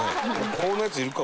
こんなヤツいるか？